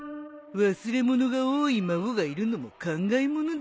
忘れ物が多い孫がいるのも考えものだね。